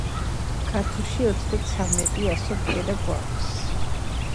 საკურთხევლის წინ დგას მცირე ზომის ორმალიანი კანკელი.